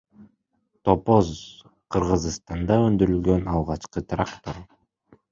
Топоз — Кыргызстанда өндүрүлгөн алгачкы трактор.